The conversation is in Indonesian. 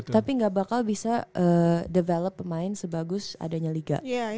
tapi nggak bakal bisa develop pemain sebagus adanya liga